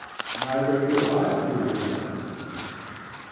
Neither could I do without them.